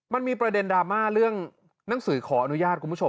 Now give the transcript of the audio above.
มันมีประเด็นดราม่าเรื่องหนังสือขออนุญาตคุณผู้ชม